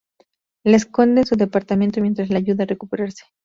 La esconde en su departamento mientras la ayuda a recuperarse.